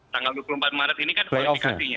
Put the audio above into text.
tanggal dua puluh empat maret ini kan kualifikasinya